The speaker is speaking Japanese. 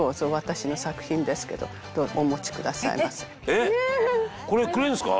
えっこれくれるんですか？